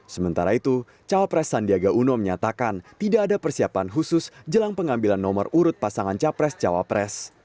sementara itu cowok pres sandiaga uno menyatakan tidak ada persiapan khusus jelang pengambilan nomor urut pasangan capres cowok pres